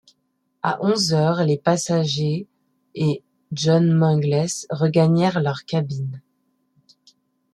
À onze heures, les passagers et John Mangles regagnèrent leurs cabines.